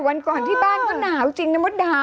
วันก่อนที่บ้านก็หนาวจริงนะมดดำ